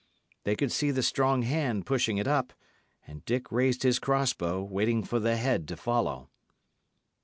They could see the strong hand pushing it up; and Dick raised his cross bow, waiting for the head to follow.